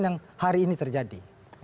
yang hari ini terjadi